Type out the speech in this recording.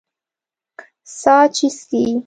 سا چې سي